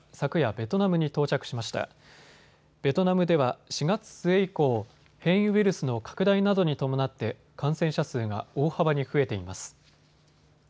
ベトナムでは４月末以降、変異ウイルスの拡大などに伴って感染者数が大幅に増えています。